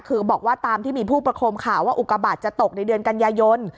คือบอกว่าตามที่มีผู้ประคมข่าวว่าอุกาบาทจะตกในเดือนกันยายน